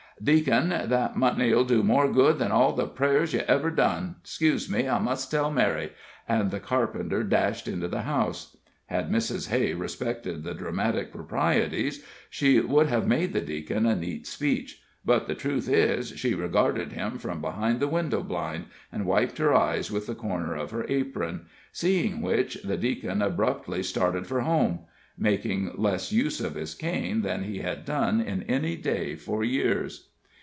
"Deacon, that money'll do more good than all the prayin' ye ever done. 'Xcuse me I must tell Mary," and the carpenter dashed into the house. Had Mrs. Hay respected the dramatic proprieties, she would have made the Deacon a neat speech; but the truth is, she regarded him from behind the window blind, and wiped her eyes with the corner of her apron; seeing which the Deacon abruptly started for home, making less use of his cane than he had done in any day for years.